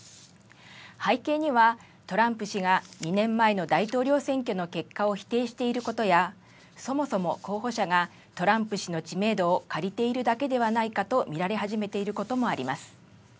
背景には、トランプ氏が２年前の大統領選挙の結果を否定していることや、そもそも候補者がトランプ氏の知名度を借りているだけではないかと見られ始めていることもあります。